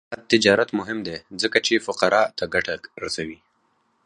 آزاد تجارت مهم دی ځکه چې فقراء ته ګټه رسوي.